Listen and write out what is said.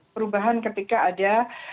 perubahan ketika ada